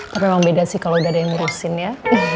tapi memang beda sih kalau udah ada yang ngurusin ya